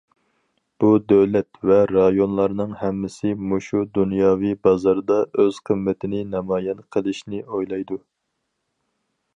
بۇ دۆلەت ۋە رايونلارنىڭ ھەممىسى مۇشۇ دۇنياۋى بازاردا ئۆز قىممىتىنى نامايان قىلىشنى ئويلايدۇ.